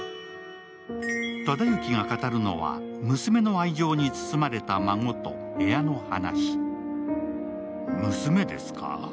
忠之が語るのは、娘の愛情に包まれた孫と部屋の話。